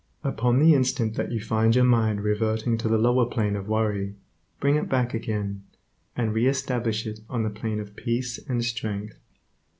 Upon the instant that you find your mind reverting to the lower plane of worry bring it back again, and re establish it on the plane of peace and strength.